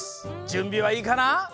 じゅんびはいいかな？